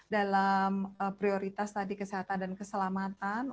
dalam prioritas tadi kesehatan dan keselamatan